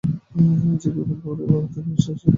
জীববিজ্ঞান ব্যবহারিক খাতার অতিরিক্ত পৃষ্ঠা আছে তোর?